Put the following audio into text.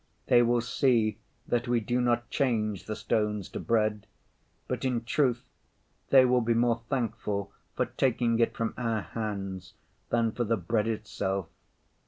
They will see that we do not change the stones to bread, but in truth they will be more thankful for taking it from our hands than for the bread itself!